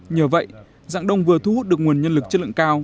nhờ vậy dạng đông vừa thu hút được nguồn nhân lực chất lượng cao